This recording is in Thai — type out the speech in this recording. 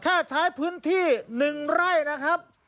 ใช้พื้นที่๑ไร่นะครับ